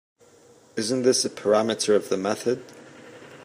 Isn’t this a parameter of the method?